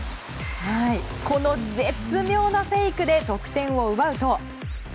この絶妙なフェイクで得点を奪うと。